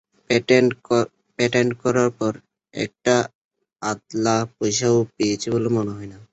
Patent করার পর একটা আধলা পয়সাও পেয়েছি বলে মনে হয় না!